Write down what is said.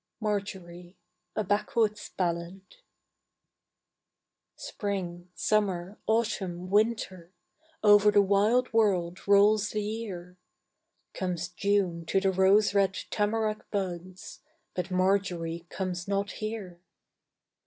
Marjory (A Backwoods Ballad) Spring, summer, autumn, winter, Over the wild world rolls the year. Comes June to the rose red tamarack buds, But Marjory comes not here.